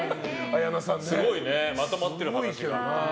すごいね、まとまってる、話が。